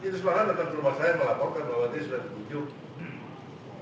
tadi pagi pak idris marta datang ke rumah saya melaporkan bahwa ini sudah dikucuk